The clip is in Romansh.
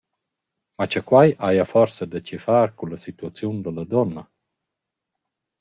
Ma cha quai haja forsa da chefar cun la situaziun da la duonna.